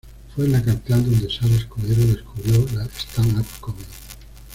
Fue en la capital donde Sara Escudero descubrió la stand-up comedy.